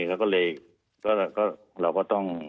ก็เลยเราก็ต้อง